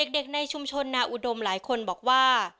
ในชุมชนนาอุดมหลายคนบอกว่า